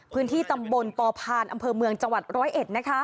พื้นที่ตำบลปพานอำเภอเมืองจังหวัดร้อยเอ็ด